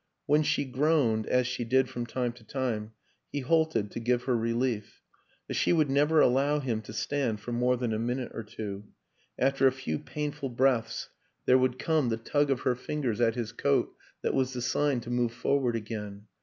When she groaned, as she did from time to time, he halted to give her relief, but she would never allow him to stand for more than a minute or two ; after a few painful breaths 146 WILLIAM AN ENGLISHMAN there would come the tug of her fingers at his coat that was the sign to move forward again.